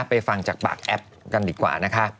ฟังจากปากแอปกันดีกว่านะคะ